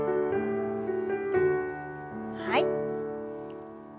はい。